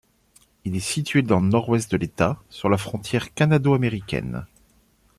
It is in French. Il est situé dans le nord-ouest de l'État, sur la frontière canado-américaine.